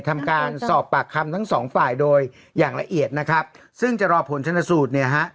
ทำการสอบปากคำทั้งสองฝ่ายโดยอย่างละเอียดนะครับซึ่งจะรอผลชนสูตรเนี่ยฮะ